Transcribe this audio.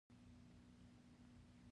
ایا زه باید ماشوم ته غوښه ورکړم؟